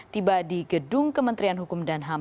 tiba di gedung kementerian hukum dan ham